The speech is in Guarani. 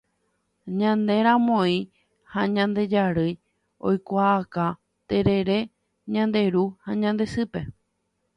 Ñane ramói ha ñande jarýi oikuaauka terere ñande ru ha ñande sýpe